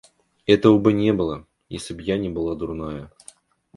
Этого бы не было, если б я не была дурная.